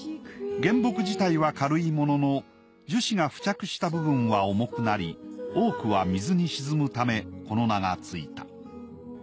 原木自体は軽いものの樹脂が付着した部分は重くなり多くは水に沈むためこの名がついた。